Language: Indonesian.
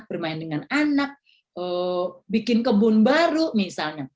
bermain dengan anak bikin kebun baru misalnya